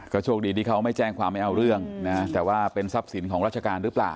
โชคดีที่เขาไม่แจ้งความไม่เอาเรื่องนะแต่ว่าเป็นทรัพย์สินของราชการหรือเปล่า